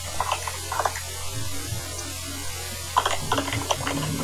Un uso temprano sobrevive en el Reino Unido.